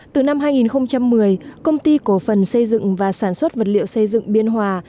từ năm hai nghìn một mươi công ty cổ phần xây dựng và sản xuất vật liệu xây dựng biên hòa